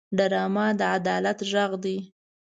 ډرامه د عدالت غږ دی